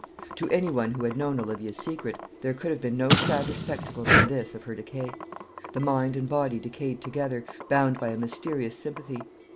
To any one who had known Olivia's secret, there could have been no sadder spectacle than this of her decay. The mind and body decayed together, bound by a mysterious sympathy.